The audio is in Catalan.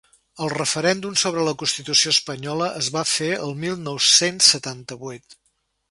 El referèndum sobre la constitució espanyola es va fer el mil nou-cents setanta-vuit.